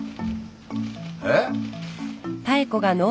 えっ？